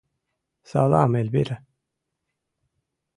— Салам, Эльвира.